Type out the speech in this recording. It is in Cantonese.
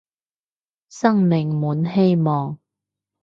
生命滿希望